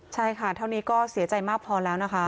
ใช่ค่ะเท่านี้ก็เสียใจมากพอแล้วนะคะ